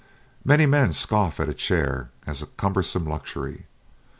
Many men scoff at a chair as a cumbersome luxury.